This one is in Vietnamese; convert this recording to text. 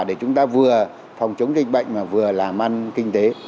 để chúng ta vừa phòng chống dịch bệnh mà vừa làm ăn kinh tế